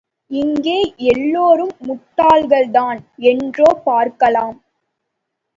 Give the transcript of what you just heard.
இங்கே எல்லோரும் முட்டாள்கள்தான், என்றாரே பார்க்கலாம்.